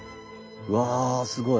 うわすごい！